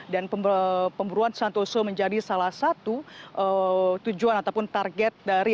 dan pemburuan santoso menjadi salah satu tujuan ataupun target dari